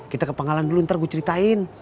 kita ke pangalan dulu ntar gua ceritain